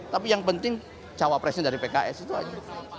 tapi yang penting cawapresnya dari pks itu aja